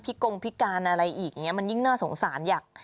กงพิการอะไรอีกอย่างนี้มันยิ่งน่าสงสารอยาก